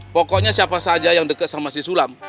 pokoknya siapa saja yang dekat sama si sulam